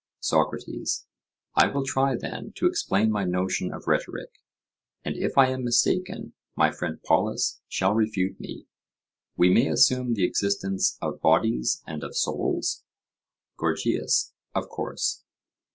SOCRATES: I will try, then, to explain my notion of rhetoric, and if I am mistaken, my friend Polus shall refute me. We may assume the existence of bodies and of souls? GORGIAS: Of course.